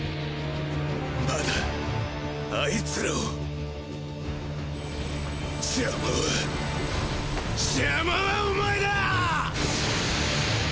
まだあいつらを邪魔は邪魔はお前だぁ！！